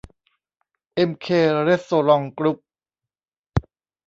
เอ็มเค เรสโตรองต์ กรุ๊ป